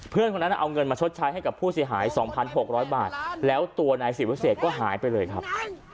เพื่อนคนนั้นเอาเงินมาชดใช้ให้กับผู้เสียหาย๒๖๐๐บาทแล้วตัวนายศิวเศษก็หายไปเลยครับ